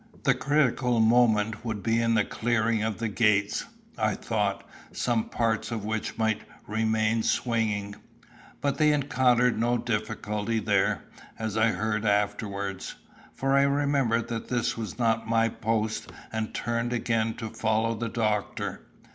The critical moment would be in the clearing of the gates, I thought, some parts of which might remain swinging; but they encountered no difficulty there, as I heard afterwards. For I remembered that this was not my post, and turned again to follow the doctor.